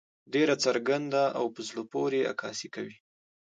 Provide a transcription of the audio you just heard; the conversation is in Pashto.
ډېره څرګنده او زړۀ پورې عکاسي کوي.